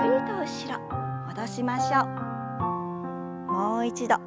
もう一度。